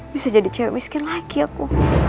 bisa jadi cewek miskin lagi aku